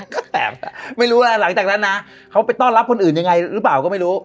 ก็แตกไม่รู้หลังจากนั้นนะเขาไปต้อนรับคนอื่นยังไงหรือเปล่าก็ไม่รู้